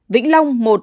vĩnh long một